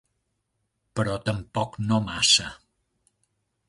Però tampoc no massa.